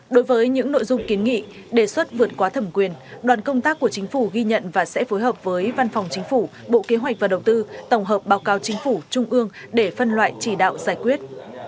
đối với những nội dung kiến nghị đề xuất vượt qua thẩm quyền đoàn công tác của chính phủ ghi nhận và sẽ phối hợp với văn phòng chính phủ bộ kế hoạch và đầu tư tổng hợp báo cáo chính phủ trung ương để phân loại chỉ đạo giải quyết